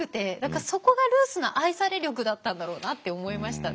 そこがルースの愛され力だったんだろうなって思いましたね。